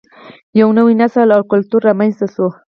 یو نوی نسل او کلتور رامینځته شو